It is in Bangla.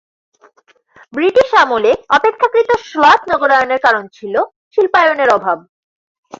ব্রিটিশ আমলে অপেক্ষাকৃত শ্লথ নগরায়ণের কারণ ছিল শিল্পায়নের অভাব।